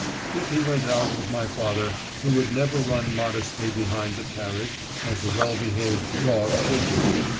If he went out with my father he would never run modestly behind the carriage as a well behaved dog should do.